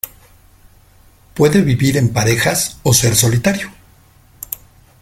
Puede vivir en parejas o ser solitario.